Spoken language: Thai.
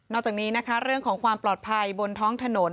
จากนี้นะคะเรื่องของความปลอดภัยบนท้องถนน